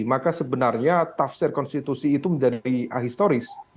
maka sebenarnya tafsir konstitusi itu menjadi ahistoris